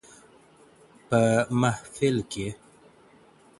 په محفل کي